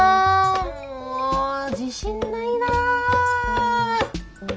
もう自信ないな。